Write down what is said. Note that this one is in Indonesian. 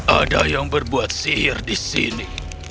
ada yang berbuat sihir di sini